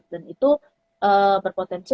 dan itu berpotensi